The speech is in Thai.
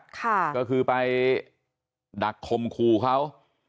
ก็คือไปดักคมครูเขา